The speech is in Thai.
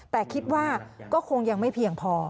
แต่คิดว่าก็คงยังไม่เพียงพอ